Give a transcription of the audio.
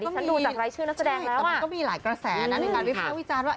ฉันดูจากรายชื่อนักแสดงแต่มันก็มีหลายกระแสนะในการวิภาควิจารณ์ว่า